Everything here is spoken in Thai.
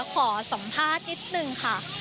ขอสัมภาษณ์นิดนึงค่ะ